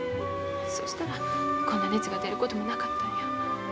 そしたらこんな熱が出ることもなかったんや。